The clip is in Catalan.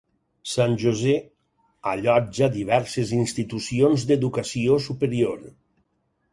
San José allotja diverses institucions d'educació superior.